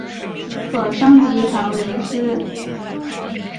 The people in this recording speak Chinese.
可升级成麟师。